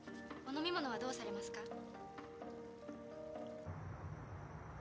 お飲み物はどうされますか？